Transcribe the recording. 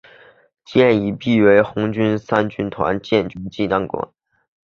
现已辟为红三军团建军纪念馆。